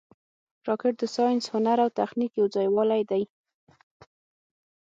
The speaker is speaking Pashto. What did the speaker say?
راکټ د ساینس، هنر او تخنیک یو ځای والې دی